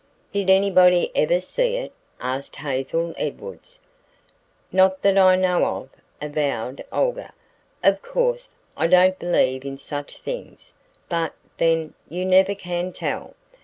"Did anybody ever see it?" asked Hazel Edwards. "Not that I know of," avowed Olga. "Of course, I don't believe in such things, but, then, you never can tell.